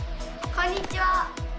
こんにちは！